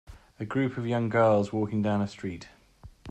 A group of young girls walking down a street.